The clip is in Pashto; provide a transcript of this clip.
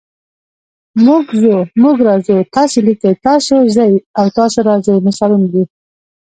موږ ځو، موږ راځو، تاسې لیکئ، تاسو ځئ او تاسو راځئ مثالونه دي.